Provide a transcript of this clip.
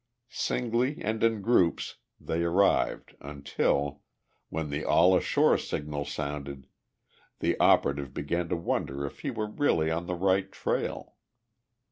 Singly and in groups they arrived until, when the "all ashore" signal sounded, the operative began to wonder if he were really on the right trail.